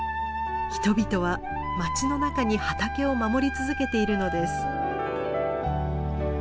人々は町の中に畑を守り続けているのです。